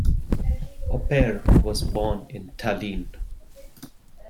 Oper was born in Tallinn.